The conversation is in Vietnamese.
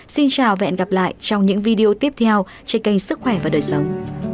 xin chào và hẹn gặp lại trong những video tiếp theo trên kênh sức khỏe và đời sống